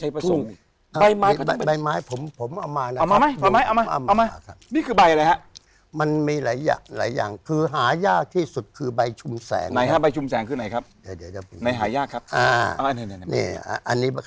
พุกกระพึกชัยพึกราชพึก